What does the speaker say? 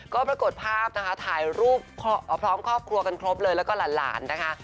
ก็ปรากฏภาพนะคะถ่ายรูปพร้อมครอบครัวกันครบเลยแล้วก็หลานนะคะ